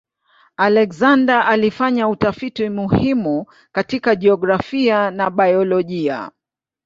Alexander alifanya utafiti muhimu katika jiografia na biolojia.